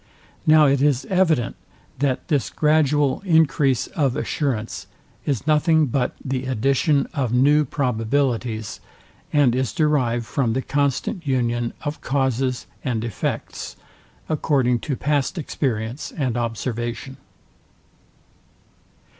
Now it is evident, that this gradual encrease of assurance is nothing but the addition of new probabilities, and is derived from the constant union of causes and effects, according to past experience and observation.